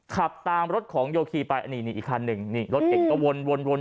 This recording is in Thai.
ขับตามรถของโยคีไปอันนี้นี่อีกคันหนึ่งนี่รถเก่งก็วนวน